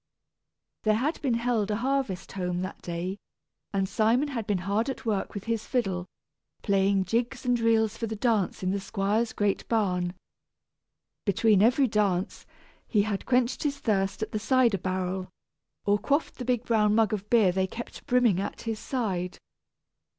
There had been held a harvest home that day, and Simon had been hard at work with his fiddle, playing jigs and reels for the dance in the squire's great barn. Between every dance, he had quenched his thirst at the cider barrel, or quaffed the big brown mug of beer they kept brimming at his side.